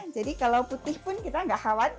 jadi kalau putih pun kita enggak bisa bersih